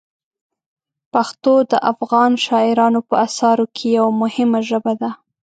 پښتو د افغان شاعرانو په اثارو کې یوه مهمه ژبه ده.